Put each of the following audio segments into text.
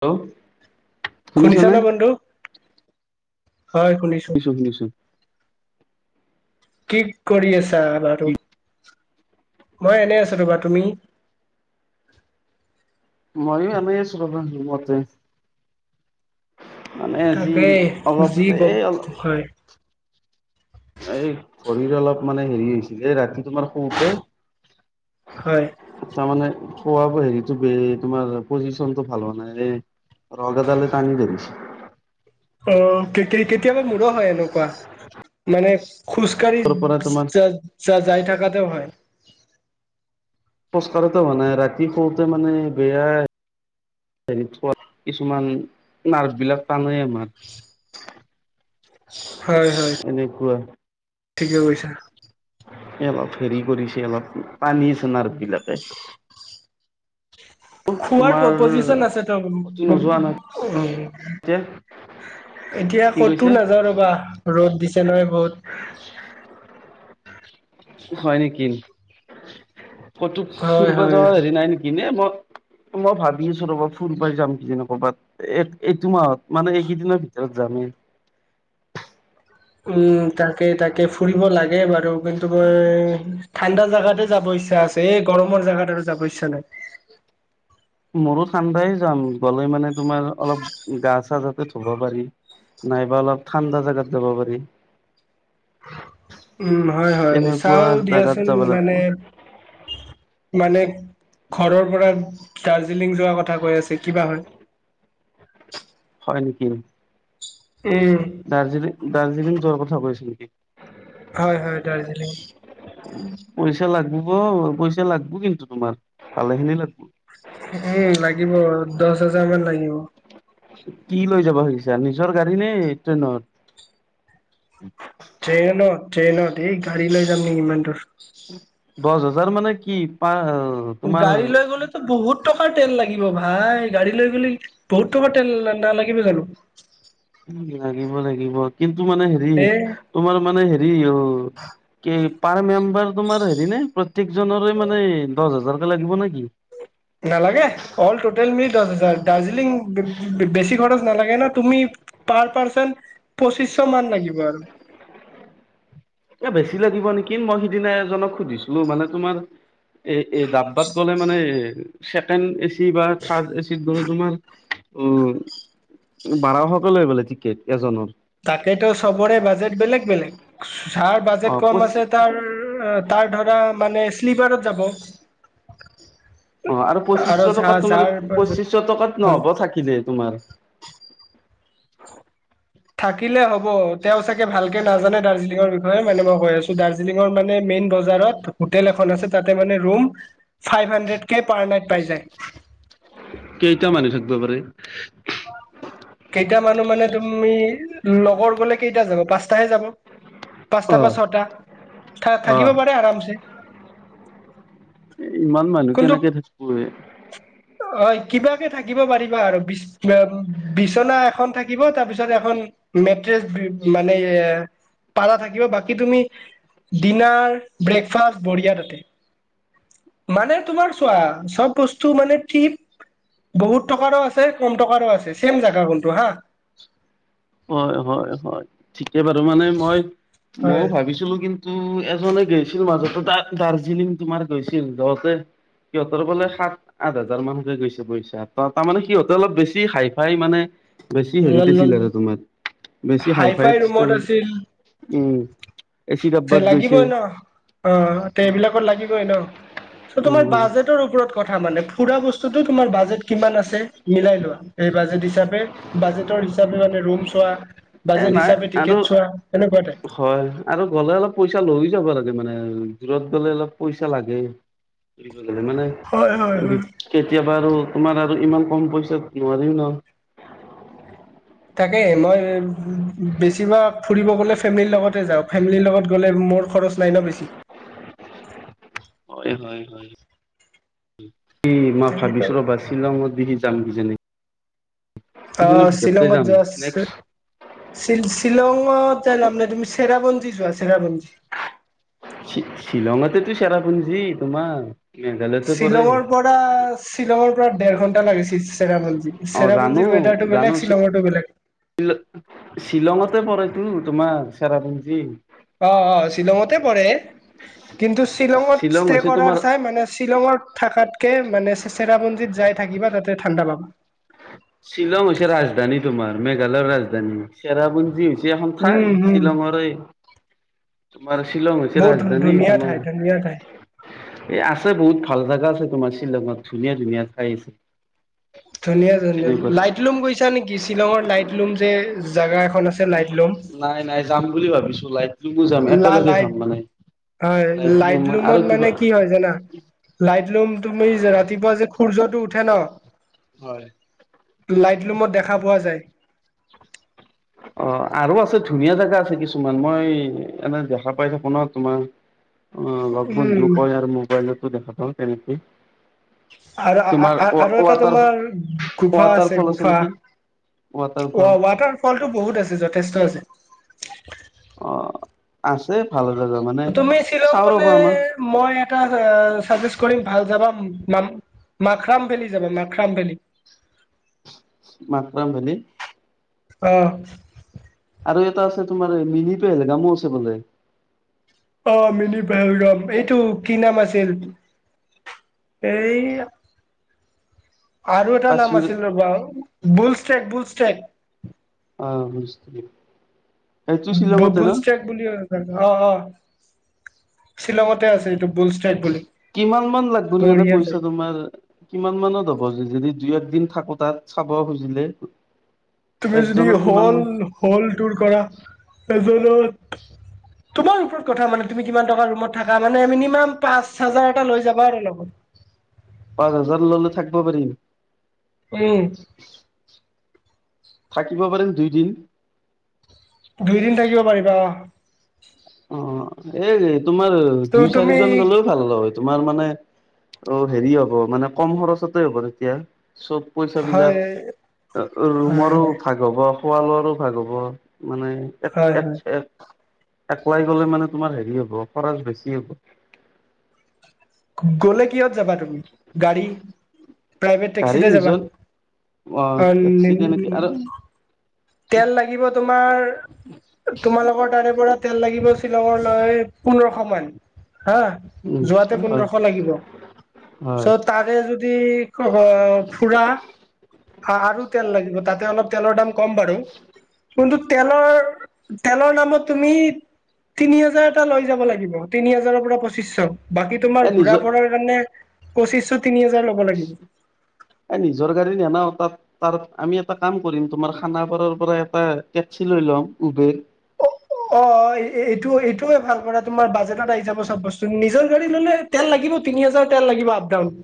Hello. শুনিছা নে বন্ধু? হয় শুনিছো। [unintelligible] কি কৰি আছা বাৰু? মই এনে আছো ৰ'বা, তুমি? মই এই এনে আছোঁ ৰুমতে। মানে আজি তাকেই অলপ যি এই ক অলপ হয়। এই ভৰি অলপ মানে হেৰি হৈছিল এই ৰাতি তোমাৰ শুওঁতে হয়। তাৰমানে খোৱা ব হেৰিটো বে তোমাৰ পজিশ্যনটো ভাল হোৱা নাই এই ৰগ এডালে টানি ধৰিছে। অহ কে-কে-কেতিয়াবা মোৰো হয় এনেকুৱা, মানে খোজকাঢ়ি তাৰ পৰা তোমাৰ যা-যা-যায় থাকাতে হয়। পোষ্টাৰতো হোৱা নাই, ৰাতি শোওঁতে মানে বেয়া হেৰি [unintelligible] কিছুমান নাৰ্ভ বিলাক টানেই আমাৰ। হয়, হয়। এনেকুৱা। ঠিকে কৈছা। এ, অলপ হেৰি কৰিছে অলপ, টানি আছে নাৰ্ভবিলাকে। শুৱাৰ তোমাৰ প্ৰপজিশ্যন আছে কতো নোযোৱা নহয় তেওঁৰ [unintelligible] এতিয়া এতিয়া কি ক'তো কৈছে নাযাওঁ ৰ'বা, ৰ'দ দিছে নহয় বহুত। হয় নেকি? ক'তো হয় ফুৰিব হয় যোৱাৰ হেৰি নাই নেকি? এই মত মই ভাবি আছোঁ ৰ'বা, ফুৰিবাই যাম কিজানি কবাত। এইট, এইটো মাহত, মানে এইকেইদিনৰ ভিতৰত যামেই। উম, তাকে তাকে ফুৰিব লাগে বাৰু কিন্তু মই ঠাণ্ডা জাগাতে যাব ইচ্ছা আছে। এই গৰমৰ জেগাত আৰু যাব ইচ্ছা নাই। মোৰো ঠাণ্ডাই যাম, গ'লে মানে তোমাৰ অলপ গা-চা যাতে ধুব পাৰি। নাইবা অলপ ঠাণ্ডা জাগাত যাব পাৰি। উম, হয় হয় তেনেকুৱা চাওঁ জাগাত দিয়াচোন যাব লাগিব মানে মানে, ঘৰৰ পৰা দাৰ্জিলিং যোৱা কথা কৈ আছে কি বা হয়? হয় নেকি? উম। দাৰ্জিলিং, দাৰ্জিলিং যোৱাৰ কথা কৈ আছে নেকি? হয়, হয় দাৰ্জিলিং। পইচা লাগিব, পইচা লাগব কিন্তু তোমাৰ, ভালেখিনি লাগব। উম, লাগিব বাৰু দশ হাজাৰ মান লাগিব। কি লৈ যাব খুজিছা, নিজৰ গাড়ী নে ট্ৰেইনত? ট্ৰেইনত, ট্ৰেইনত এই গাড়ী লৈ যাম নেকি ইমান দূৰ? দশ হাজাৰ মানে কি পা তোমাৰ গাড়ী লৈ গ'লেটো বহুত টকাৰ তেল লাগিব ভাই, গাড়ী লৈ গ'লে বহুত টকাৰ তেল নালাগিব জানো? উ, লাগিব লাগিব কিন্তু মানে হেৰি এ তোমাৰ মানে হেৰি, উ, কি পাৰ মেম্বাৰ তোমাৰ হেৰি নে প্ৰ প্ৰত্যেকজনৰে মানে দশ হাজাৰকে লাগিব নেকি? নালাগে, অল টোটেল মিলি দশ হাজাৰ। দাৰ্জিলিং বে-বে-বেছি খৰচ নালাগে নহয়, তুমি পাৰ পাৰ্চন পঁচিশ মান লাগিব আৰু। এ বেছি লাগিব নেকি? মই সিদিনা এজনক সুধিছিলো মানে তোমাৰ এ, এ ডাব্বাত গ'লে মানে ছেকেণ্ড এচি বা থাৰ্ড এচিত [unintelligible] বাৰশকে লয় বোলে টিকেট এজনৰ। তাকেতো চবৰে বাজেট বেলেগ-বেলেগ। যাৰ অ বাজেট কম পঁচি আছে তাৰ তাৰ ধৰা মানে, শ্লিপাৰত যাব। অ' আৰু পঁচিশ শ টকাত যাৰ তোমাৰ যাৰ পঁচিশ শ টকাত হয় নহ'ব থাকিলে তোমাৰ। থাকিলে হ'ব, তেওঁ চাগে ভালকে নাজানে দাৰ্জিলিঙৰ বিষয়ে, মানে মই কৈ আছোঁ দাৰ্জিলিঙৰ মানে মেইন বজাৰত হোটেল এখন আছে, তাতে মানে ৰুম ফাইভ হান্ড্ৰেডকে পাৰ নাইট পাই যায়। কেইটা মানুহ থাকিব পাৰে? কেইটা মানুহ মানে তুমি লগৰ গ'লে কেইটা যাব? পাঁচটাহে যাব। পাঁচটা বা অ', ছটা থা-থাকিব অ'। পাৰে আৰামছে। এই ইমান মানুহ কিন্তু কেনেকে থাকিব এ। হয় কিবাকে থাকিব পাৰিবা আৰু বিছনা-বিছনা এখন থাকিব, তাৰ পিছত এখন মেট্ৰেছ মানে এ পাৰা থাকিব। বাকী তুমি ডিনাৰ, ব্ৰেকফাষ্ট বঢ়িয়া তাতে। মানে, তোমাৰ চোৱা চব বস্তু মানে [unintelligible] বহুত টকাৰো আছে কম টকাৰো আছে ছেম জেগা কিন্তু হা। হয় হয় হয়, ঠিকে বাৰু মানে মই হয় ময়ো ভাবিছিলো কিন ন্তু এজনে গেইছিল মাজতে দাৰ্জিলিং তোমাৰ গৈছিল যাওতে সিহঁতৰ বোলে সাত, আঠ হাজাৰ মানকে গৈছে পইচা, ত' তাৰমানে সিহঁতে অলপ বেছি হাই ফাই মানে বেছি হেৰিত আছিল আৰু তোমাৰ। বেছি হাই ফাইত হাই-ফাই ৰুমত আছিল। উম, এচি ডাব্বাত গৈছে লাগিবই ন'? অ তে' অ', এইবিলাকত লাগিবই ন চ তোমাৰ উম, বাজেট টৰ ওপৰত কথা মানে, ফুৰা বস্তুটো তোমাৰ বাজেট কিমান আছে মিলাই লোৱা। বাজেট হিচাপে, বাজেটৰ হিচাপে মানে ৰুম চোৱা। এ বাজেট নাই হিচাপে আৰু টিকেট চোৱা সেনেকুৱা টাইপ। হয় আৰু গ'লে অলপ পইচা লৈও যাব লাগে মানে দূৰত গলে অলপ পইচা লাগে। মানে হয় হয় হয় কেতিয়াবা আৰু তোমাৰ আৰু ইমান কম পইচাত নোৱাৰি ন। তাকে মই বেছি ভাগ ফুৰিব গ'লে ফেমিলিৰ লগতে যাওঁ। ফেমিলিৰ লগত গ'লে মোৰ খৰচ নাই ন বেছি। হয় হয় হয়, এই মই ভাবিছোঁ ৰবা! শ্বিলঙত দিগী যাম কিজানি। কেইদিনৰ অ' ভিতৰতে শ্বিলংত যাম যোৱা। নেক্সট শ্বিল-শ্বিলঙত যাই লাভ নাই, তুমি চেৰাপুঞ্জী যোৱা চেৰাপুঞ্জী। চি-শ্বিলংততেটো চেৰাপুঞ্জী তোমাৰ। মেঘালয়তে পৰে শ্বিলঙৰ পৰা শ্বিলঙৰ পৰা ডেৰ ঘন্টা লাগে চেৰাপুঞ্জী। অ জানো চেৰাপুঞ্জীৰ ৱেডাৰটো বেলেগ শ্বিলংৰটো বেলেগ। শ্বিল-শ্বিলংতে পৰেতো তোমাৰ চেৰাপুঞ্জী। অ' অ' শ্বিলংতে পৰে। কিন্তু শ্বিলংত শ্বিলং ষ্টে হৈছে কৰাৰ তোমাৰ চাই মানে শ্বিলংৰ। থাকাতকে মানে চেৰাপুঞ্জীত যাই থাকিবা তাতে ঠাণ্ডা পাবা। শ্বিলং হৈছে ৰাজধানী তোমাৰ মেঘালয়ৰ ৰাজধানী চেৰাপুঞ্জী। উম [unintelligible] হম শ্বিলংৰে। তোমাৰ শ্বিলং হৈছে বহুত ধুন ৰাজধানী ধুনীয়া তোমাৰ। ঠাই ধুনীয়া ঠাই এ আছে বহুত ভাল জাগা আছে তোমাৰ শ্বিলংত ধুনীয়া ধুনীয়া ঠাই আছে। ধুনীয়া ধনীয়া তেনেকুৱা লাইট লুম গৈছা নেকি? শ্বিলংৰ লাইট লোম যে জেগা এখন আছে লাইট লোম। নাই নাই যাম বুলি ভাবিছো। লাইট লা লাইট হয়, লাইটলুম আৰু লাইটলুমত কিবা মানে কি হয় জানা লাইটলুম তুমি যে ৰাতিপুৱা যে সূৰ্যটো উঠে ন' হয়। লাইটলুমত দেখা পোৱা যায়। অ', আৰু আছে, ধুনীয়া জেগা আছে কিছুমান, মই এনে দেখা পাই থাকো ন' তোমাৰ অ' লগ বন্ধু উম। কয় আৰু মোবাইলতো দেখা পাওঁ তেনেকে। আৰু তোমাৰ আৰু এটা ৱা-ৱাটাৰ, তোমাৰ গুফা ৱাটাৰ ফল আছে গুফা নেকি। অ ৱাটাৰফল। ৱাটাৰ ফলটো বহুত আছে, যথেষ্ট আছে। অ' আছে ভাল জেগা মানে, তুমি শ্বিলং চাওঁ গলে ৰ'বা আমাৰ মই এটা আ, চাজেষ্ট কৰিম, ভাল যাবা নাম মাখৰাম ভেলী যাবা, মাখৰাম ভেলী। মাখৰাম ভেলী? অ'। আৰু এটা আছে তোমাৰ মিনি পেহেলগামো আছে বোলে। অ' মিনি পেহেলগাম, এইটো কি নাম আছিল। এই আৰু এটা নাম কাশ্মীৰ আছিল ৰ'বা বুলষ্টেক, বুলষ্টেক। অ' [unintelligible] সেইটো শ্বিলঙতে ন বু-বুলষ্টেক বুলি অ', অ', শ্বিলঙতে আছে এইটো বুলষ্টেক বুলি। কিমান মান লাগবনো এনে বঢ়িয়া পইচা জেগা তোমাৰ? কিমান মানত হ'ব যদি দুই একদিন থাকোঁ তাত চাব খুজিলে। তুমি যদি একজনৰ কিমান হ'ল, মান হ'ল দূৰ কৰা এজনৰ তোমাৰ ওপৰত কথা মানে তুমি কিমান টকা ৰুমত থকা, মানে মিনিমাম পাঁচ হাজাৰ এটা লৈ যাব আৰু লগত। পাঁচ হাজাৰ ল'লে থাকব পাৰিম? উম। থাকিব পাৰিম দুইদিন। দুইদিন থাকিব পাৰিবা অ'। অ', এই তোমাৰ ত দুই তুমি চাৰিজন গ'লওঁ ভাল হ'লে হয়, তোমাৰ মানে অ' হেৰি হ'ব মানে কম খৰচতে হ'ব তেতিয়া। চব হয় পইচাবিলাক হয় ৰুমৰো হয় ভা ভাগ হ'ব, খোৱা লোৱাৰো ভাগ হ'ব মানে এক হয় এক হয় এক একলাই গ'লে মানে তোমাৰ হেৰি হ'ব, খৰচ বেছি হ'ব। গ'লে কিহত যাবা তুমি, গাড়ী, প্ৰাইভেট গাড়ী টেক্সিতে যাবা? নিজৰ অ' টেক্সি নেন, তেনেকে আৰু তেল লাগিব তোমাৰ তোমালোকৰ তাৰে পৰা তেল লাগিব শ্বিলঙলৈ পোন্ধৰশ মান হা। উম, যোৱাতে হয়, পোন্ধৰশ লাগিব, হয়। ছত তাৰে যদি [unintelligible] ফুৰা আ-আৰু তেল লাগিব, তাতে অলপ তেলৰ দাম কম বাৰু কিন্তু তেলৰ, তেলৰ নামত তুমি তিনি হাজাৰ এটা লৈ যাব লাগিব, তিনি হাজাৰৰ পৰা পঁচিশ। বাকী তোমাৰ এই ঘুৰা নিজৰ ফৰাৰ কাৰণে পঁচিশ, তিনি হাজাৰ ল'ব লাগিব। এ, নিজৰ গাড়ী নিনাও তাত। তাত আমি এটা কাম কৰিম তোমাৰ খানাপাৰাৰ পৰা এটা টেক্সি লৈ ল'ম, উবেৰ। অহ, এইটো-এইটোয়ে ভাল কৰা তোমাৰ বাজেটত আহি যাব চব বস্তু। নিজৰ গাড়ী ল'লে তেল লাগিব, তিনি হাজাৰ তেল লাগিব আপ ডাউন।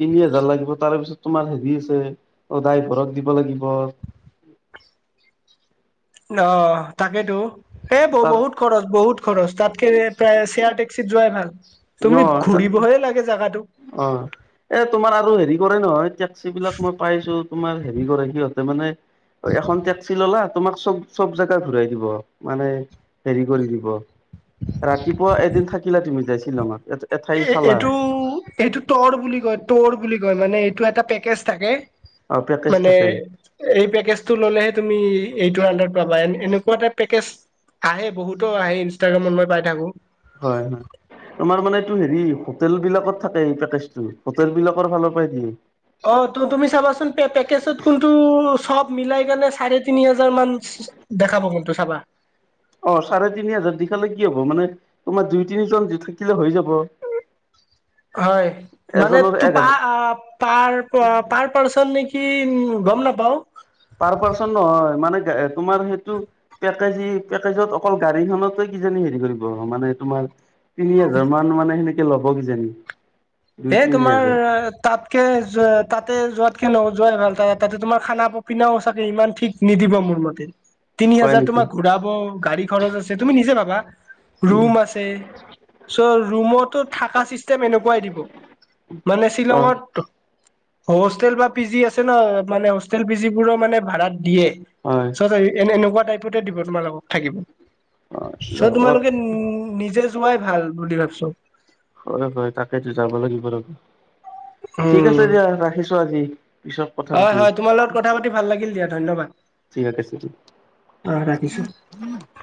তিনি হোজাৰ লাগিব, তাৰপিছত তোমাৰ হেৰি আছে অহ, ড্ৰাইভৰক দিব লাগিব। অহ, তাকেইেতো এই তাত ব-বহুত খৰচ, বহুত খৰচ তাতকে প্ৰায় শেয়াৰ টেক্সিত যোৱাই ভাল। ন' তা ভালো লাগে জেগাটো। অহ, এ তোমাৰ আৰু হেৰি কৰে নহয়, টেক্সিবিলাক মই পাইছোঁ তোমাৰ হেৰি কৰে সিহঁতে মানে এখন টেক্সি ল'লা তোমাক চব চব জাগা ঘূৰাই দিব, মানে হেৰি কৰি দিব। ৰাতিপুৱা এদিন থাকিলা তুমি যায় শ্বিলংত এ এইটো, এইটো তৰ বুলি কয় তৰ বুলি কয় মানে এইটো এটা পেকেজ থাকে। অ পেকেজ মানে থাকে এই পেকেজটো ল'লেহে তুমি এইটো আন্ডাৰত পাবা এনেকুৱ এটা পেকেজ আহে বহুতৰ আহে ইনষ্টাগ্ৰামত মই পাই থাকো। হয়, হয়। তোমাৰ মানে এইটো হেৰি হোটেলবিলাকত থাকে এই পেকেজটো, হোটেলবিলাকৰ ফালৰ পৰা দিয়ে। অহ, তু-তুমি চাবাচোন পেকেজত কোনটো চব মিলাই কেনে চাৰে তিনি হাজাৰ মান দেখাব মনটো চাবা। অহ, চাৰে তিনি হাজাৰ দি খালে কি হ'ব মানে তোমাৰ দুই তিনিজন থাকিলে হৈ যাব। হয়, মানে এজনৰ এক হাজাৰ তোপাহ পাৰ-প-পাৰ পাৰ্চন নেকি উম, গম নাপাওঁ। পাৰ পাৰ্চন নহয় মানে, তোমাৰ সেইটো পেকেজি-পেকেজত অকল গাড়ীখনত কিজানি হেৰি কৰিব মানে তোমাৰ তিনি হাজাৰ মান মানে সেনেকে ল'ব কিজানি। দুই হে তিনি তোমাৰ হাজাৰ তাতকে তাতে যোৱাতকে নোযোৱাই ভাল তা-তাতে তোমাৰ খানা পিনাও থাকে ইমান ঠিক নিদিবা মোৰ মতে। তিনি হয় হাজাৰ নেকি তোমাক ঘূৰাব গাড়ী, খৰচ আছে, তুমি নিজে ভাবা উম ৰুম আছে চ' ৰুমতো থকা চিষ্টেম এনেকুৱাই দিব। মানে অ শ্বিলংত হোষ্টেল বা পি জি আছে ন' মানে হোষ্টেল পি জিবোৰৰ মানে ভাড়াত দিয়ে হয় চ' এ-এনেকুৱা টাইপতে দিব তোমালোকক থাকিব। অ চ' যাব তোমালোকে নিজে যোৱাই ভাল বুলি ভাবিছোঁ। হয়, হয়। তাকেতো যাব লাগিব ৰবা। ঠিক আছে উম দিয়া, ৰাখিছোঁ আজি। পিছত কথা হয়, পাতিম হয়। তোমাৰ লগত কথা পাতি ভাল লাগিল দিয়া, ধন্যবাদ। ঠিক আছে। অহ, ৰাখিছোঁ। [unintelligible]